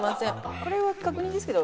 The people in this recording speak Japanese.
これは確認ですけど。